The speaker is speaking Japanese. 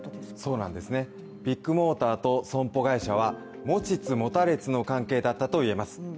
そうなんですね、ビッグモーターと損保会社は持ちつ持たれつの関係だったといえます。